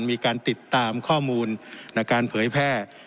มีการติดตามข้อมูลในการเผยแพร่